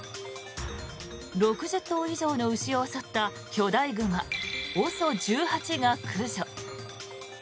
６０頭以上の牛を襲った巨大熊ＯＳＯ１８が駆除。